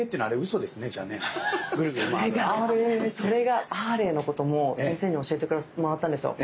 それがそれが「あれ」のことも先生に教えてもらったんですよ。